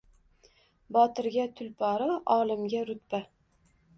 Botirga – tulporu, olimga – rutba.